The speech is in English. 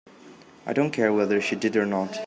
I don't care whether she did or not.